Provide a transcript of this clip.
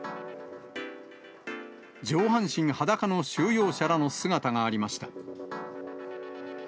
上半身裸の収容者らの姿がありました。